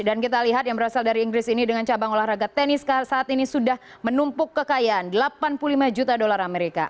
dan kita lihat yang berasal dari inggris ini dengan cabang olahraga tenis saat ini sudah menumpuk kekayaan delapan puluh lima juta dolar amerika